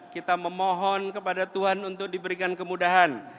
kita memohon kepada tuhan untuk diberikan kemudahan